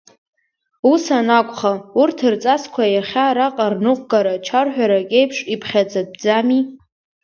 Ус анакәха, урҭ рҵасқәа иахьа араҟа рныҟәгара чарҳәарак еиԥш иԥхьаӡатәӡами?